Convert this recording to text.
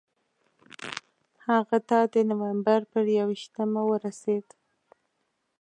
هغه ته د نومبر پر یوویشتمه ورسېد.